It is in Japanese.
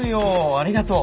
ありがとう！